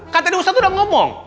katanya ustadz udah ngomong